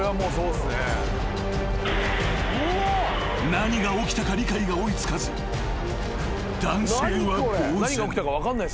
［何が起きたか理解が追い付かず男性は］